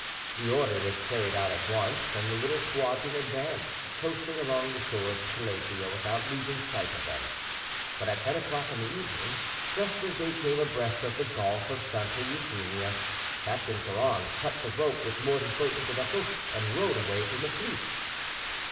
The order was carried out at once, and the little squadron advanced, coasting along the shores of Calabria without losing sight of them; but at ten o'clock in the evening, just as they came abreast of the Gulf of Santa Eufemia, Captain Courrand cut the rope which moored his boat to the vessel, and rowed away from the fleet.